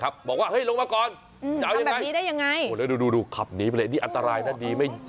บอกว่าเฮ้ยลงมาก่อนทำแบบนี้ได้ยังไงดูขับหนีไปเลยนี่อันตรายน่ะดี